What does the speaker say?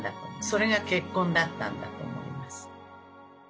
それが結婚だったんだと思います。